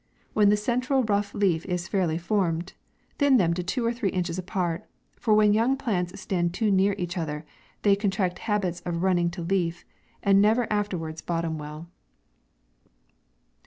When the central rough leaf is fairly formed, thin them to two or three inches apart ; for when young plants stand too near each other, they contract habits of running to leaf, and never afterwards bottom well.